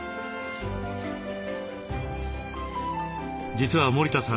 実は森田さん